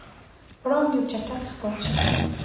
پړانګ یو چټک ښکارچی دی.